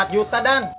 dua empat juta dan